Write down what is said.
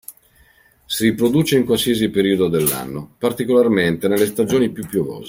Si riproduce in qualsiasi periodo dell'anno, particolarmente nelle stagioni più piovose.